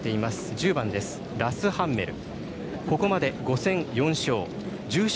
１０番ラスハンメル。